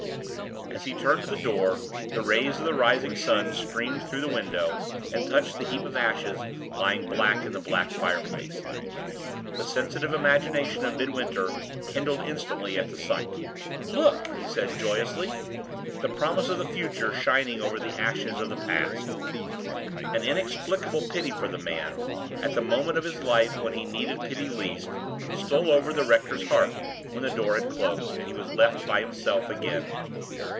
As he turned to the door, the rays of the rising sun streamed through the window, and touched the heap of ashes lying black in the black fireplace. The sensitive imagination of Midwinter kindled instantly at the sight. "Look!" he said, joyously. "The promise of the Future shining over the ashes of the Past!" An inexplicable pity for the man, at the moment of his life when he needed pity least, stole over the rector's heart when the door had closed, and he was left by himself again.